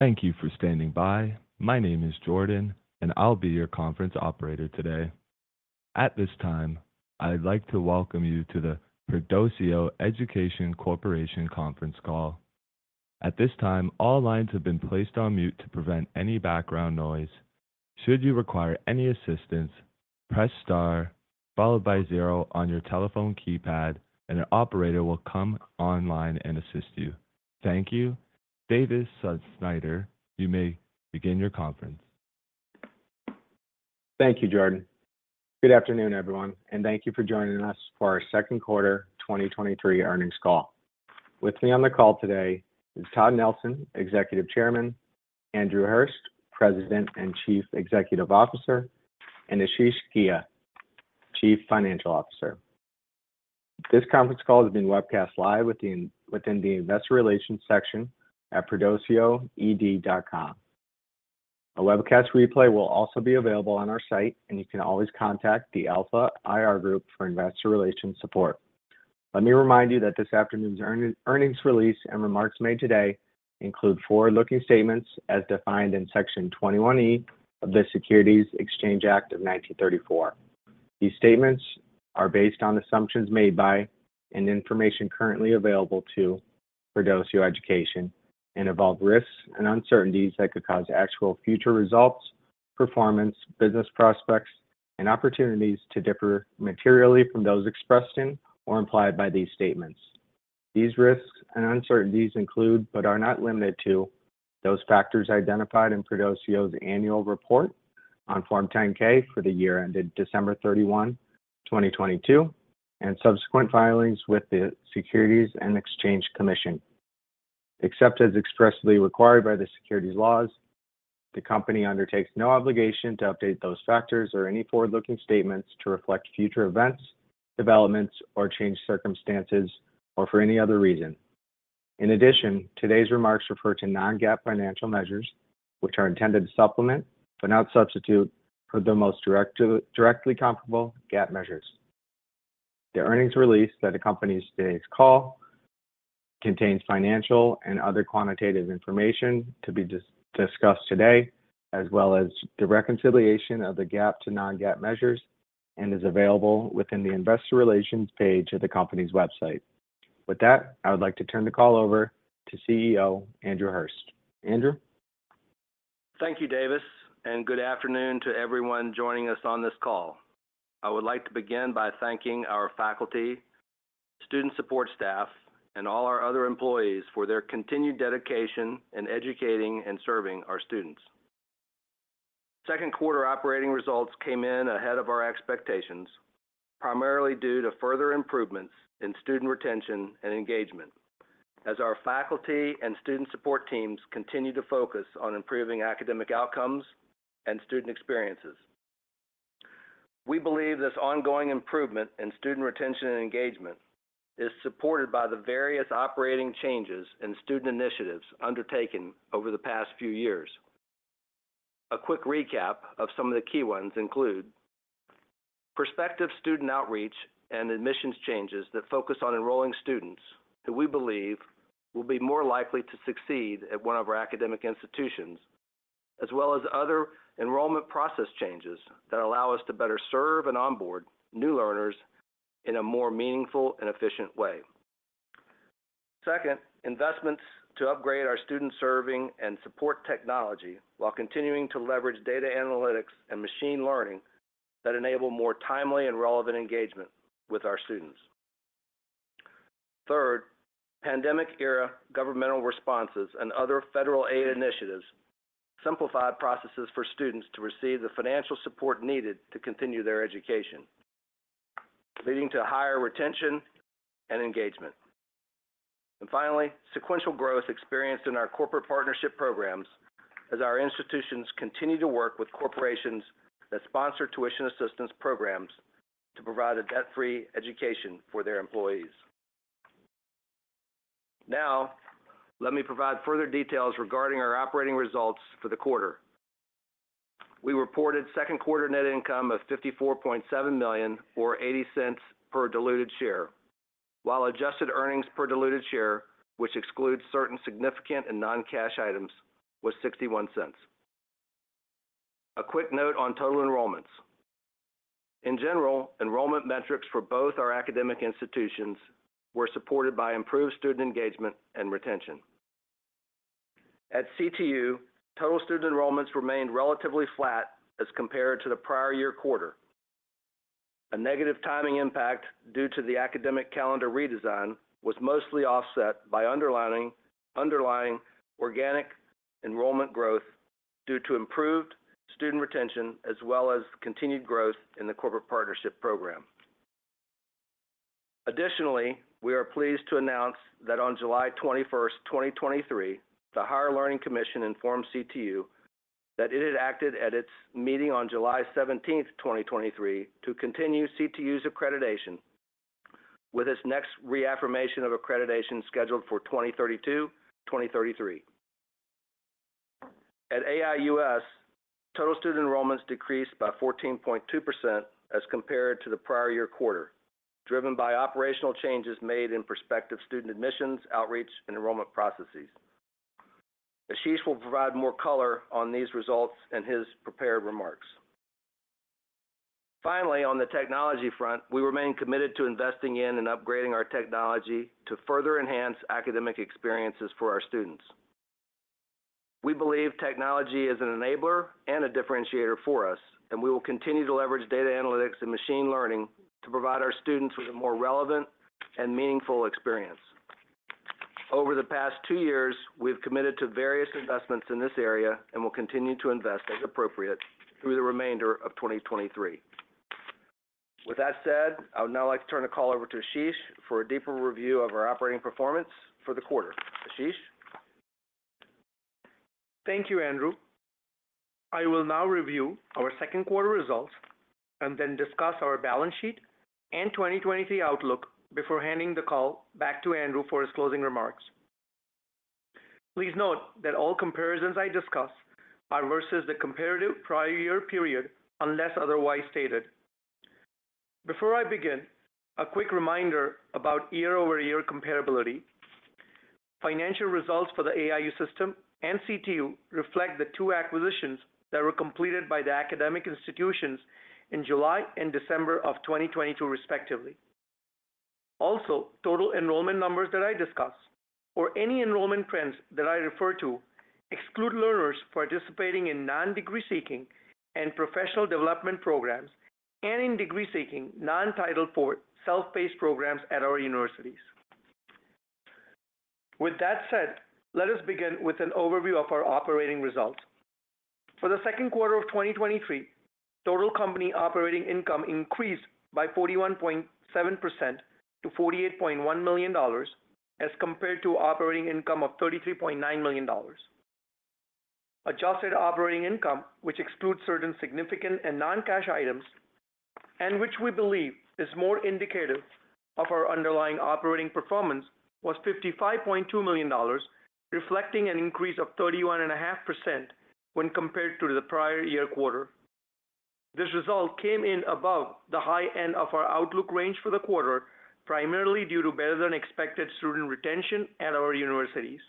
Thank you for standing by. My name is Jordan, and I'll be your conference operator today. At this time, I'd like to welcome you to the Perdoceo Education Corporation conference call. At this time, all lines have been placed on mute to prevent any background noise. Should you require any assistance, press star, followed by zero on your telephone keypad, and an operator will come online and assist you. Thank you. David Snyder, you may begin your conference. Thank you, Jordan. Good afternoon, everyone, and thank you for joining us for our second quarter 2023 earnings call. With me on the call today is Todd Nelson, Executive Chairman; Andrew Hurst, President and Chief Executive Officer; and Ashish Ghia, Chief Financial Officer. This conference call is being webcast live within the Investor Relations section at perdoceoed.com. A webcast replay will also be available on our site, and you can always contact the Alpha IR Group for Investor Relations support. Let me remind you that this afternoon's earnings release and remarks made today include forward-looking statements as defined in Section 21E of the Securities Exchange Act of 1934. These statements are based on assumptions made by, and information currently available to, Perdoceo Education and involve risks and uncertainties that could cause actual future results, performance, business prospects and opportunities to differ materially from those expressed in or implied by these statements. These risks and uncertainties include, but are not limited to, those factors identified in Perdoceo's Annual Report on Form 10-K for the year ended December 31, 2022, and subsequent filings with the Securities and Exchange Commission. Except as expressly required by the securities laws, the company undertakes no obligation to update those factors or any forward-looking statements to reflect future events, developments or changed circumstances or for any other reason. In addition, today's remarks refer to non-GAAP financial measures, which are intended to supplement, but not substitute, for the most directly comparable GAAP measures. The earnings release that accompanies today's call contains financial and other quantitative information to be discussed today, as well as the reconciliation of the GAAP to non-GAAP measures and is available within the Investor Relations page of the company's website. With that, I would like to turn the call over to CEO, Andrew Hurst. Andrew? Thank you, David. Good afternoon to everyone joining us on this call. I would like to begin by thanking our faculty, student support staff, and all our other employees for their continued dedication in educating and serving our students. Second quarter operating results came in ahead of our expectations, primarily due to further improvements in student retention and engagement, as our faculty and student support teams continue to focus on improving academic outcomes and student experiences. We believe this ongoing improvement in student retention and engagement is supported by the various operating changes and student initiatives undertaken over the past few years. A quick recap of some of the key ones include: prospective student outreach and admissions changes that focus on enrolling students who we believe will be more likely to succeed at one of our academic institutions, as well as other enrollment process changes that allow us to better serve and onboard new learners in a more meaningful and efficient way. Second, investments to upgrade our student serving and support technology, while continuing to leverage data analytics and machine learning that enable more timely and relevant engagement with our students. Third, pandemic era governmental responses and other federal aid initiatives simplified processes for students to receive the financial support needed to continue their education, leading to higher retention and engagement. Finally, sequential growth experienced in our corporate partnership programs as our institutions continue to work with corporations that sponsor tuition assistance programs to provide a debt-free education for their employees. Let me provide further details regarding our operating results for the quarter. We reported second quarter net income of $54.7 million, or $0.80 per diluted share, while adjusted earnings per diluted share, which excludes certain significant and non-cash items, was $0.61. A quick note on total enrollments. In general, enrollment metrics for both our academic institutions were supported by improved student engagement and retention. At CTU, total student enrollments remained relatively flat as compared to the prior year quarter. A negative timing impact due to the academic calendar redesign was mostly offset by underlying organic enrollment growth due to improved student retention, as well as continued growth in the corporate partnership program. Additionally, we are pleased to announce that on July 21, 2023, the Higher Learning Commission informed CTU that it had acted at its meeting on July 17, 2023, to continue CTU's accreditation, with its next reaffirmation of accreditation scheduled for 2032, 2033. At AIU System, total student enrollments decreased by 14.2% as compared to the prior year quarter, driven by operational changes made in prospective student admissions, outreach, and enrollment processes. Ashish will provide more color on these results in his prepared remarks. Finally, on the technology front, we remain committed to investing in and upgrading our technology to further enhance academic experiences for our students. We believe technology is an enabler and a differentiator for us, and we will continue to leverage data analytics and machine learning to provide our students with a more relevant and meaningful experience. Over the past two years, we've committed to various investments in this area and will continue to invest as appropriate through the remainder of 2023. That said, I would now like to turn the call over to Ashish for a deeper review of our operating performance for the quarter. Ashish? Thank you, Andrew. I will now review our second quarter results and then discuss our balance sheet and 2023 outlook before handing the call back to Andrew for his closing remarks. Please note that all comparisons I discuss are versus the comparative prior year period, unless otherwise stated. Before I begin, a quick reminder about year-over-year comparability. Financial results for the AIU System and CTU reflect the two acquisitions that were completed by the academic institutions in July and December of 2022, respectively. Total enrollment numbers that I discuss, or any enrollment trends that I refer to, exclude learners participating in non-degree seeking and professional development programs, and in degree-seeking, non-Title IV, self-paced programs at our universities. With that said, let us begin with an overview of our operating results. For the second quarter of 2023, total company operating income increased by 41.7% to $48.1 million, as compared to operating income of $33.9 million. Adjusted operating income, which excludes certain significant and non-cash items, and which we believe is more indicative of our underlying operating performance, was $55.2 million, reflecting an increase of 31.5% when compared to the prior year quarter. This result came in above the high end of our outlook range for the quarter, primarily due to better-than-expected student retention at our universities.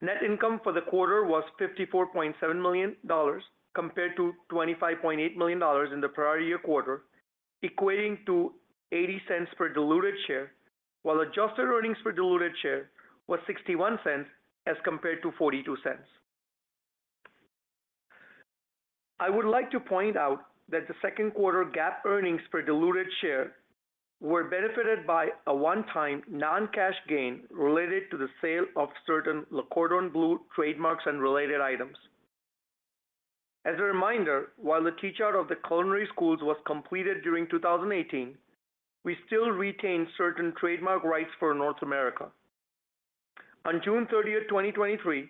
Net income for the quarter was $54.7 million, compared to $25.8 million in the prior year quarter, equating to $0.80 per diluted share, while adjusted earnings per diluted share was $0.61 as compared to $0.42. I would like to point out that the second quarter GAAP earnings per diluted share were benefited by a one-time, non-cash gain related to the sale of certain Le Cordon Bleu trademarks and related items. As a reminder, while the teach-out of the culinary schools was completed during 2018, we still retained certain trademark rights for North America. On June 30, 2023,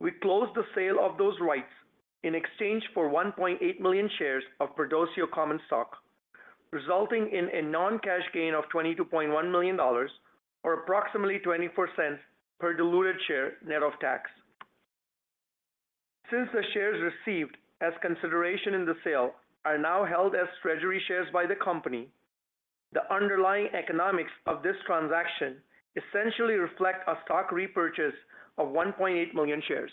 we closed the sale of those rights in exchange for 1.8 million shares of Perdoceo common stock, resulting in a non-cash gain of $22.1 million or approximately $0.24 per diluted share, net of tax. Since the shares received as consideration in the sale are now held as treasury shares by the company, the underlying economics of this transaction essentially reflect a stock repurchase of 1.8 million shares.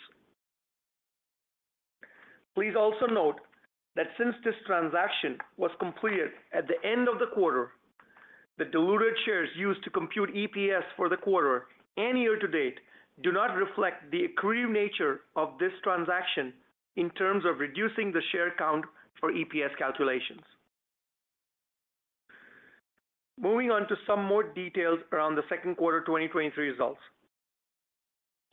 Please also note that since this transaction was completed at the end of the quarter, the diluted shares used to compute EPS for the quarter and year-to-date do not reflect the accretive nature of this transaction in terms of reducing the share count for EPS calculations. Moving on to some more details around the second quarter 2023 results.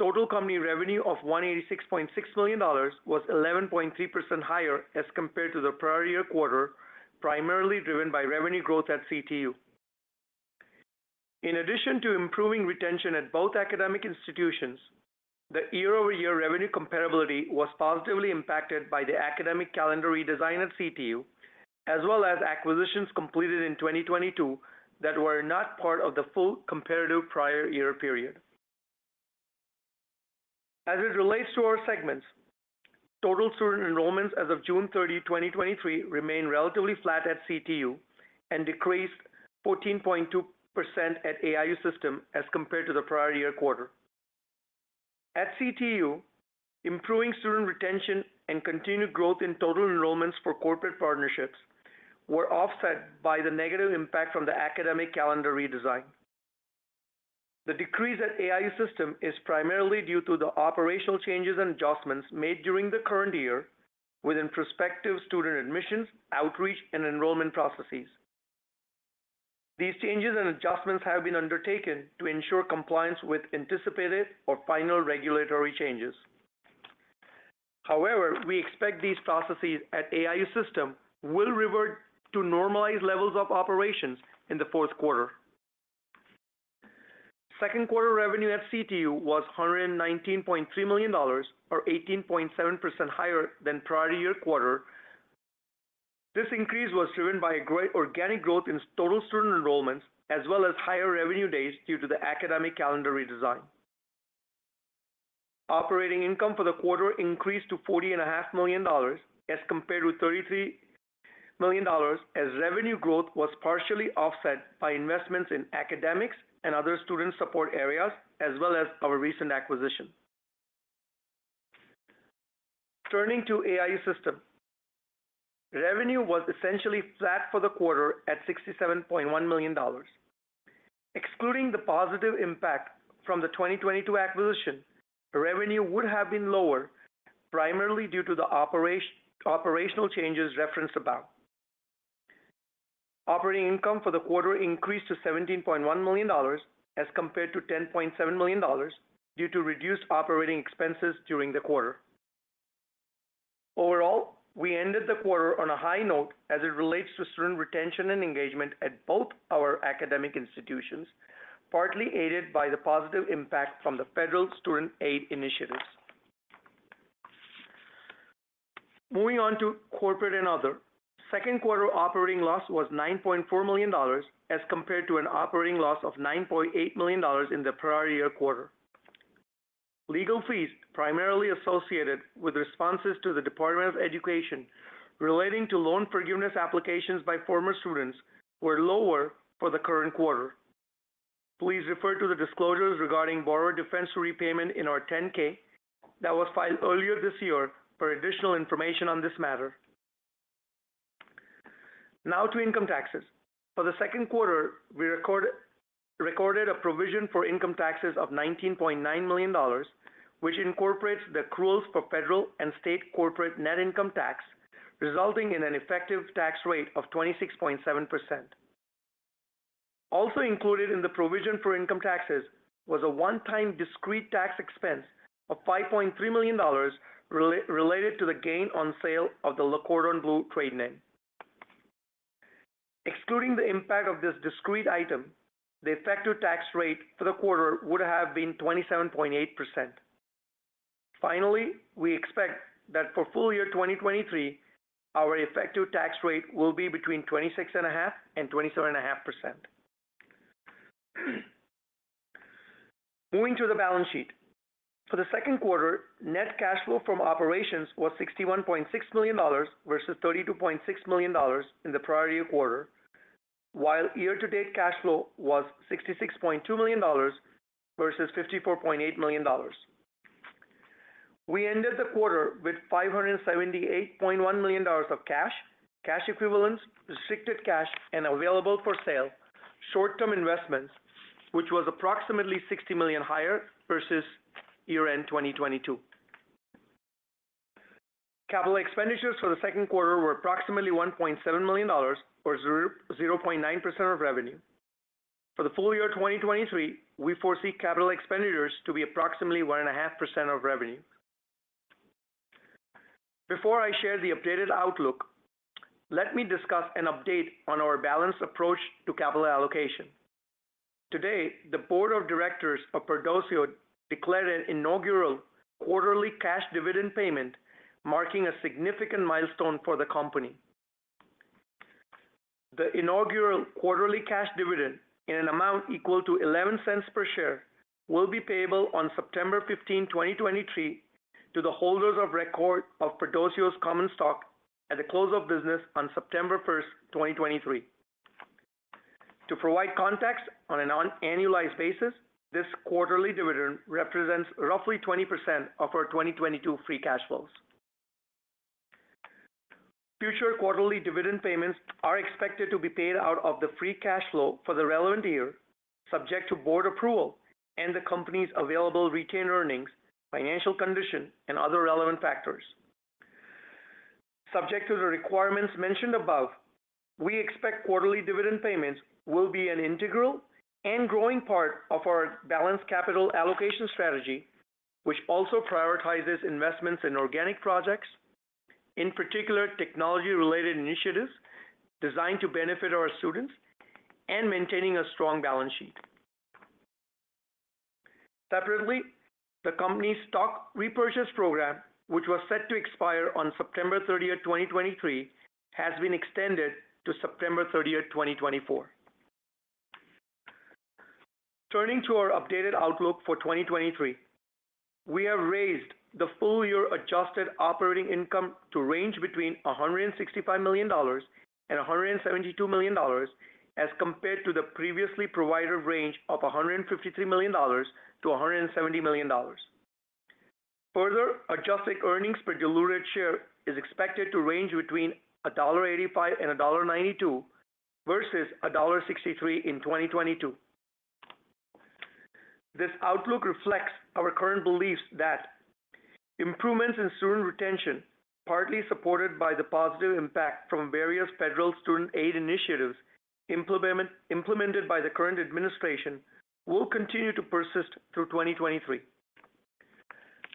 Total company revenue of $186.6 million was 11.3% higher as compared to the prior year quarter, primarily driven by revenue growth at CTU. In addition to improving retention at both academic institutions, the year-over-year revenue comparability was positively impacted by the academic calendar redesign at CTU, as well as acquisitions completed in 2022 that were not part of the full comparative prior year period. As it relates to our segments, total student enrollments as of June 30, 2023, remained relatively flat at CTU and decreased 14.2% at AIU System as compared to the prior year quarter. At CTU, improving student retention and continued growth in total enrollments for corporate partnerships were offset by the negative impact from the academic calendar redesign. The decrease at AIU System is primarily due to the operational changes and adjustments made during the current year within prospective student admissions, outreach, and enrollment processes. These changes and adjustments have been undertaken to ensure compliance with anticipated or final regulatory changes. However, we expect these processes at AIU System will revert to normalized levels of operations in the fourth quarter. Second quarter revenue at CTU was $119.3 million, or 18.7% higher than prior year quarter. This increase was driven by a great organic growth in total student enrollments, as well as higher revenue days due to the academic calendar redesign. Operating income for the quarter increased to $40.5 million, as compared with $33 million, as revenue growth was partially offset by investments in academics and other student support areas, as well as our recent acquisition. Turning to AIU System. Revenue was essentially flat for the quarter at $67.1 million. Excluding the positive impact from the 2022 acquisition, revenue would have been lower, primarily due to the operational changes referenced above. Operating income for the quarter increased to $17.1 million, as compared to $10.7 million, due to reduced operating expenses during the quarter. Overall, we ended the quarter on a high note as it relates to student retention and engagement at both our academic institutions, partly aided by the positive impact from the Federal Student Aid initiatives. Moving on to corporate and other. Second quarter operating loss was $9.4 million, as compared to an operating loss of $9.8 million in the prior year quarter. Legal fees, primarily associated with responses to the Department of Education relating to loan forgiveness applications by former students, were lower for the current quarter. Please refer to the disclosures regarding borrower defense repayment in our 10-K that was filed earlier this year for additional information on this matter. Now to income taxes. For the second quarter, we recorded a provision for income taxes of $19.9 million, which incorporates the accruals for federal and state corporate net income tax, resulting in an effective tax rate of 26.7%. Included in the provision for income taxes was a one-time discrete tax expense of $5.3 million related to the gain on sale of the Le Cordon Bleu trade name. Excluding the impact of this discrete item, the effective tax rate for the quarter would have been 27.8%. We expect that for full year 2023, our effective tax rate will be between 26.5% and 27.5%. Moving to the balance sheet. For the second quarter, net cash flow from operations was $61.6 million, versus $32.6 million in the prior year quarter, while year-to-date cash flow was $66.2 million versus $54.8 million. We ended the quarter with $578.1 million of cash, cash equivalents, restricted cash, and available for sale, short-term investments, which was approximately $60 million higher versus year-end 2022. Capital expenditures for the second quarter were approximately $1.7 million, or 0.9% of revenue. For the full year 2023, we foresee capital expenditures to be approximately 1.5% of revenue. Before I share the updated outlook, let me discuss an update on our balanced approach to capital allocation. Today, the Board of Directors of Perdoceo declared an inaugural quarterly cash dividend payment, marking a significant milestone for the company. The inaugural quarterly cash dividend, in an amount equal to $0.11 per share, will be payable on September 15, 2023, to the holders of record of Perdoceo's common stock at the close of business on September 1, 2023. To provide context on an annualized basis, this quarterly dividend represents roughly 20% of our 2022 free cash flows. Future quarterly dividend payments are expected to be paid out of the free cash flow for the relevant year, subject to board approval and the company's available retained earnings, financial condition, and other relevant factors. Subject to the requirements mentioned above, we expect quarterly dividend payments will be an integral and growing part of our balanced capital allocation strategy, which also prioritizes investments in organic projects, in particular, technology-related initiatives designed to benefit our students and maintaining a strong balance sheet. Separately, the company's stock repurchase program, which was set to expire on September 30, 2023, has been extended to September 30, 2024. Turning to our updated outlook for 2023, we have raised the full year adjusted operating income to range between $165 million and $172 million, as compared to the previously provided range of $153 million-$170 million. Further, adjusted earnings per diluted share is expected to range between $1.85 and $1.92 versus $1.63 in 2022. This outlook reflects our current beliefs that improvements in student retention, partly supported by the positive impact from various federal student aid initiatives implemented by the current administration, will continue to persist through 2023.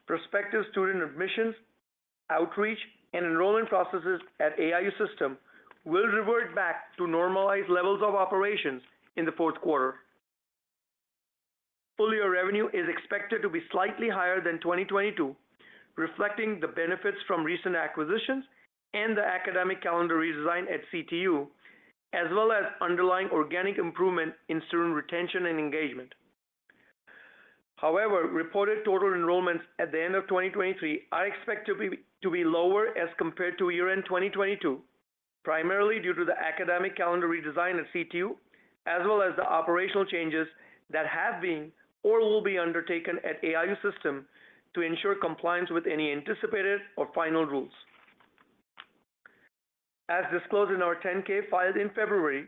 Prospective student admissions, outreach, and enrollment processes at AIU System will revert back to normalized levels of operations in the fourth quarter. Full year revenue is expected to be slightly higher than 2022, reflecting the benefits from recent acquisitions and the academic calendar redesign at CTU, as well as underlying organic improvement in student retention and engagement. Reported total enrollments at the end of 2023 are expected to be lower as compared to year-end 2022, primarily due to the academic calendar redesign at CTU, as well as the operational changes that have been or will be undertaken at AIU System to ensure compliance with any anticipated or final rules. As disclosed in our 10-K filed in February,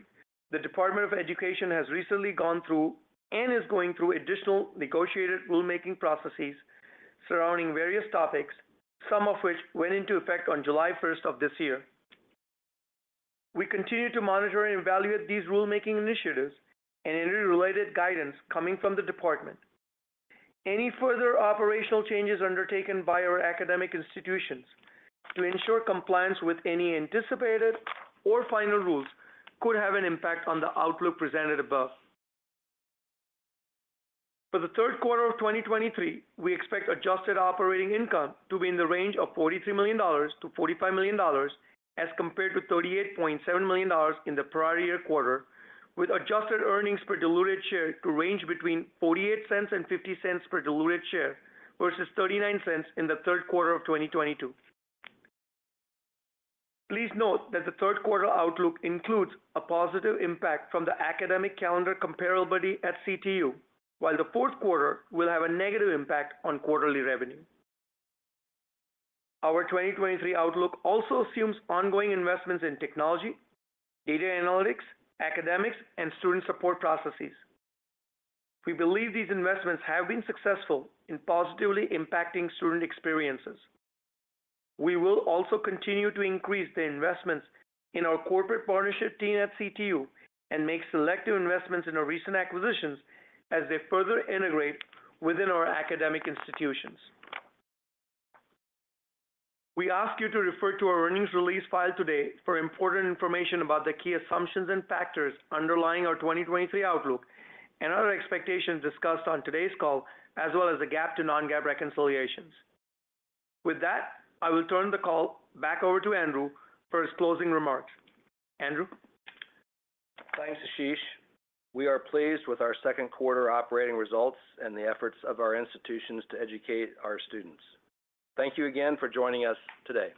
the Department of Education has recently gone through and is going through additional negotiated rulemaking processes surrounding various topics, some of which went into effect on July first of this year. We continue to monitor and evaluate these rulemaking initiatives and any related guidance coming from the department. Any further operational changes undertaken by our academic institutions to ensure compliance with any anticipated or final rules could have an impact on the outlook presented above. For the third quarter of 2023, we expect adjusted operating income to be in the range of $43 million-$45 million, as compared to $38.7 million in the prior year quarter, with adjusted earnings per diluted share to range between $0.48 and $0.50 per diluted share, versus $0.39 in the third quarter of 2022. Please note that the third quarter outlook includes a positive impact from the academic calendar comparability at CTU, while the fourth quarter will have a negative impact on quarterly revenue. Our 2023 outlook also assumes ongoing investments in technology, data analytics, academics, and student support processes. We believe these investments have been successful in positively impacting student experiences. We will also continue to increase the investments in our corporate partnership team at CTU and make selective investments in our recent acquisitions as they further integrate within our academic institutions. We ask you to refer to our earnings release file today for important information about the key assumptions and factors underlying our 2023 outlook and other expectations discussed on today's call, as well as the GAAP to non-GAAP reconciliations. With that, I will turn the call back over to Andrew for his closing remarks. Andrew? Thanks, Ashish. We are pleased with our second quarter operating results and the efforts of our institutions to educate our students. Thank you again for joining us today.